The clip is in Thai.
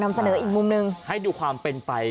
เสนออีกมุมหนึ่งให้ดูความเป็นไป